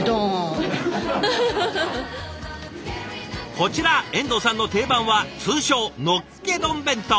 こちら遠藤さんの定番は通称のっけ丼弁当。